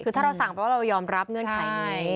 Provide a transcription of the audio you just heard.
คือถ้าเราสั่งแปลว่าเรายอมรับเงื่อนไขนี้